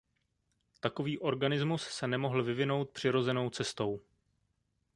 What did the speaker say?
Takový organismus se nemohl vyvinout přirozenou cestou.